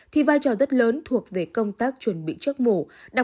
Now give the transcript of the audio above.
thì vai trò rất lớn thuộc về công tác chuẩn bị trước mổ